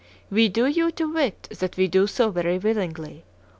We do you to wit that we do so very willingly.